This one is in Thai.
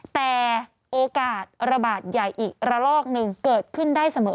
แต่โอกาสระบาดใหญ่อีกระลอกหนึ่งเกิดขึ้นได้เสมอ